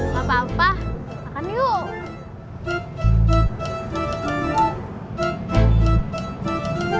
gak apa apa makan yuk